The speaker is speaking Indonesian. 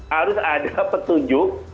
harus ada petunjuk